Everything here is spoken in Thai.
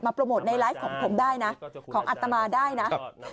โปรโมทในไลฟ์ของผมได้นะของอัตมาได้นะ